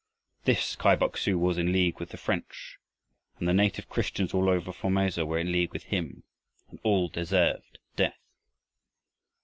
This Kai Bok su was in league with the French, and the native Christians all over Formosa were in league with him, and all deserved death!